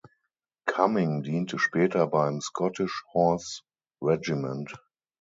Cumming diente später beim Scottish Horse Regiment.